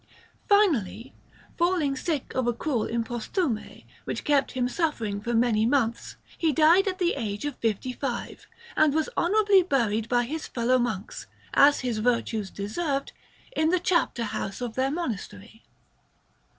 Finally, falling sick of a cruel imposthume, which kept him suffering for many months, he died at the age of fifty five, and was honourably buried by his fellow monks, as his virtues deserved, in the chapter house of their monastery.